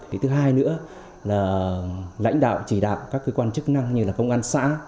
thứ hai nữa là lãnh đạo chỉ đạo các cơ quan chức năng như công an xã